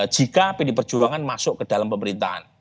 jika pdi perjuangan masuk ke dalam pemerintahan